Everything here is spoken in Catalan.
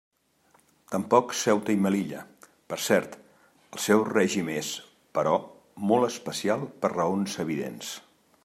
Tampoc Ceuta i Melilla, per cert —el seu règim és, però, molt especial per raons evidents.